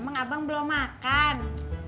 emang abang belum makan